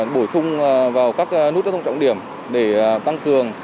bổ sung vào các nút giao thông trọng điểm để tăng cường